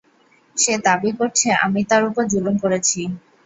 সে দাবী করছে, আমি তার উপর যুলুম করেছি।